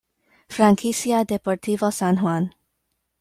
Franquicia Deportivo San Juan